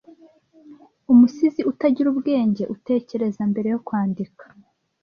umusizi utagira ubwenge utekereza mbere yo kwandika